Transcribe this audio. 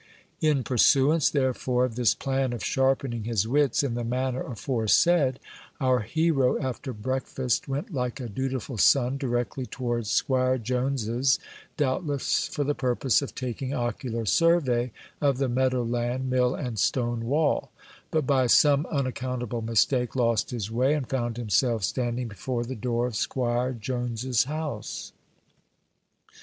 In pursuance, therefore, of this plan of sharpening his wits in the manner aforesaid, our hero, after breakfast, went like a dutiful son, directly towards 'Squire Jones's, doubtless for the purpose of taking ocular survey of the meadow land, mill, and stone wall; but, by some unaccountable mistake, lost his way, and found himself standing before the door of 'Squire Jones's house.